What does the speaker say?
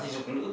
giúp phụ nữ